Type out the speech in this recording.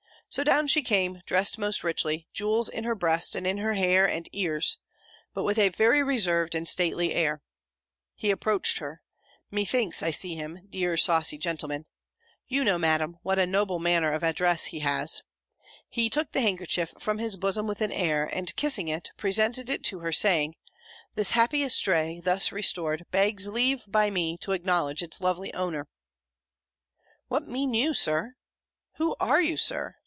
So down she came, dressed most richly, jewels in her breast, and in her hair, and ears But with a very reserved and stately air. He approached her Methinks I see him, dear saucy gentleman. You know, Madam, what a noble manner of address he has. He took the handkerchief from his bosom with an air; and kissing it, presented it to her, saying, "This happy estray, thus restored, begs leave, by me, to acknowledge its lovely owner!" "What mean you, Sir? Who are you, Sir?